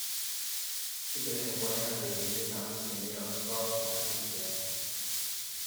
Ségolène Royal réalisait parmi ses meilleurs scores à Hautepierre.